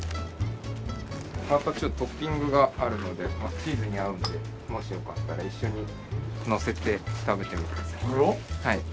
またちょっとトッピングがあるのでチーズに合うのでもしよかったら一緒にのせて食べてみてください。